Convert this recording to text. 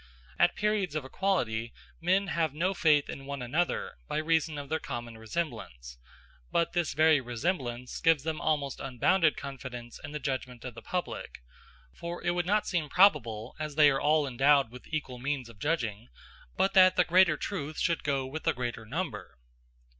At periods of equality men have no faith in one another, by reason of their common resemblance; but this very resemblance gives them almost unbounded confidence in the judgment of the public; for it would not seem probable, as they are all endowed with equal means of judging, but that the greater truth should go with the greater number.